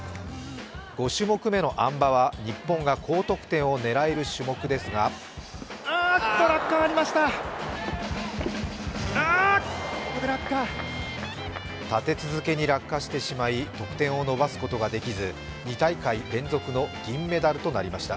５種目めのあん馬は日本が高得点を狙える種目ですが立て続けに落下してしまい得点を伸ばすことができず２大会連続の銀メダルとなりました。